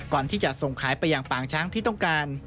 ก่อนที่จะส่งขายไปอย่างปางช้างที่ต้องการ